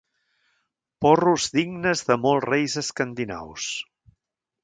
Porros dignes de molts reis escandinaus.